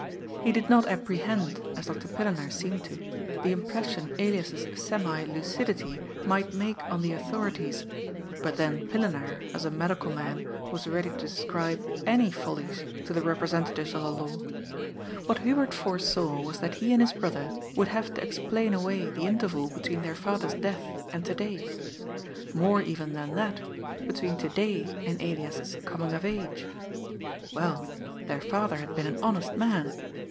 He did not apprehend, as Dr. Pillenaar SOCIAL SCIENCE. 385 seemed to, the impression Elias's semi lucidity might make on the authorities, but then Pillenaar, as a medical man, was ready to ascribe any follies to the representatives of the law. What Hubert foresaw was that he and his brother would have to explain away the interval between their father's death and to day. More even than that, between to day and Elias's coming of age. Well, their father had been an honest man.